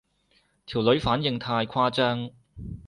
條女反應太誇張